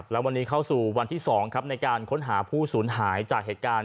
และวันนี้เข้าสู่วันที่๒ครับในการค้นหาผู้สูญหายจากเหตุการณ์